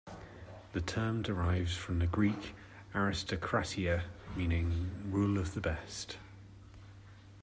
The term derives from the Greek "aristokratia", meaning "rule of the best".